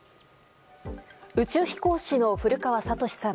宇宙飛行士の古川聡さん。